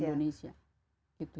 iya di seluruh indonesia